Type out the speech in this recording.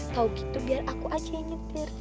kalau gitu biar aku aja yang nyetir